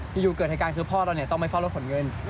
ปีหยุดเกิดอย่างที่พ่อเราต้องไปเฟาตรวจผลเงิน